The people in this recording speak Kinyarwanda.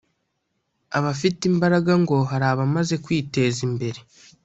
Abafite imbaraga ngo hari abamaze kwiteza imbere